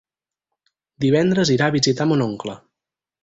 Divendres irà a visitar mon oncle.